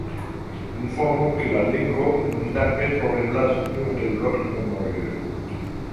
Informo pri la lingvo nuntempe troveblas nur de loknomoj.